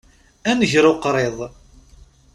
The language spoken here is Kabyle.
A nnger uqriḍ!